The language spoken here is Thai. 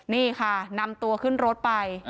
นี่ค่ะนำตัวขึ้นรถไป